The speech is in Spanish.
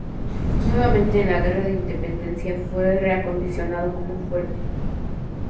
Nuevamente en la Guerra de Independencia fue reacondicionado como fuerte.